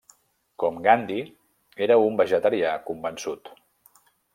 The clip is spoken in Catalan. Com Gandhi, era un vegetarià convençut.